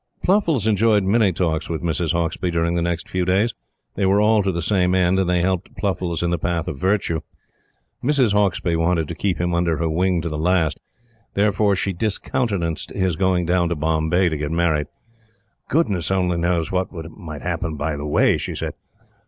Pluffles enjoyed many talks with Mrs. Hauksbee during the next few days. They were all to the same end, and they helped Pluffles in the path of Virtue. Mrs. Hauksbee wanted to keep him under her wing to the last. Therefore she discountenanced his going down to Bombay to get married. "Goodness only knows what might happen by the way!" she said.